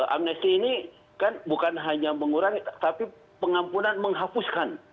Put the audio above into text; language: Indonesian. amnesti ini kan bukan hanya mengurangi tapi pengampunan menghapuskan